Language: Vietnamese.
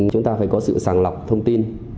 chúng ta phải có sự sàng lọc thông tin